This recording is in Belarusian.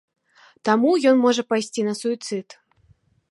Таму ён можа пайсці на суіцыд.